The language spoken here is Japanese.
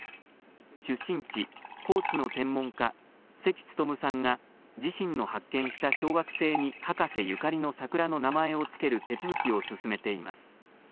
出身地、高知の天文家、関勉さんが自身の発見した小惑星に博士ゆかりの桜の名前を付ける手続きを進めています。